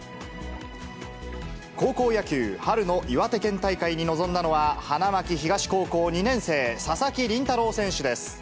高校野球、春の岩手県大会に臨んだのは、花巻東高校２年生、佐々木麟太郎選手です。